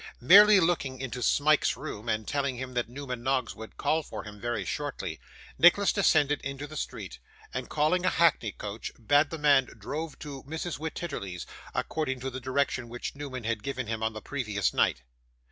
Merely looking into Smike's room, and telling him that Newman Noggs would call for him very shortly, Nicholas descended into the street, and calling a hackney coach, bade the man drive to Mrs. Wititterly's, according to the direction which Newman had given him on the previous night.